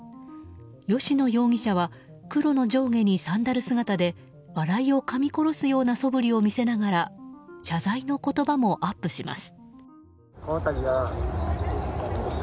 吉野容疑者は黒の上下にサンダル姿で笑いをかみ殺すようなそぶりを見せながら謝罪の言葉もアップします。